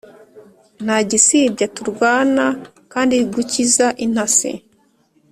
ntagisibya turwana kandi gukiza intasi